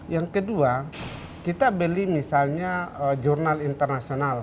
yang kedua kita beli misalnya jurnal internasional